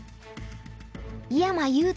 井山裕太